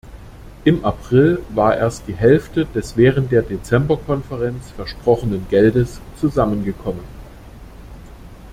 Im April war erst die Hälfte des während der Dezemberkonferenz versprochenen Geldes zusammengekommen.